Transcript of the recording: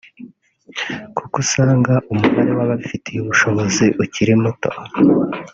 kuko usanga umubare w’ababifitiye ubushobozi ukiri muto